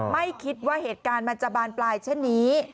ไม่คิดว่าเหตุการณ์มันจะบานปลายเช่นนี้